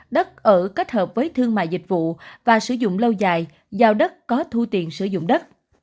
đất ở kết hợp với thương mại dịch vụ và sử dụng lâu dài giao đất có thu tiền sử dụng đất